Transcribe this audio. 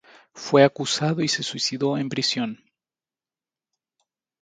Fue acusado y se suicidó en prisión.